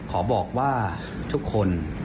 ขอบอกว่าทุกคน